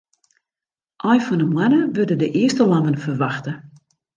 Ein fan 'e moanne wurde de earste lammen ferwachte.